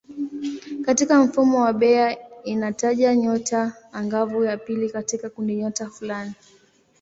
Katika mfumo wa Bayer inataja nyota angavu ya pili katika kundinyota fulani.